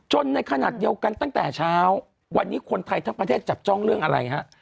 ในขณะเดียวกันตั้งแต่เช้าวันนี้คนไทยทั้งประเทศจับจ้องเรื่องอะไรฮะ